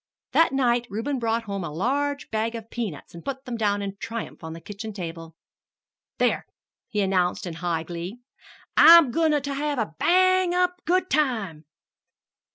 That night Reuben brought home a large bag of peanuts and put them down in triumph on the kitchen table. "There!" he announced in high glee, "I'm goin' to have a bang up good time!"